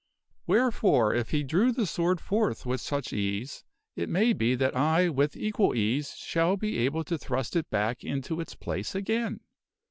Wherefore if he drew the sword forth with such ease, it may be that I with equal ease shall be able to thrust it back into its place again."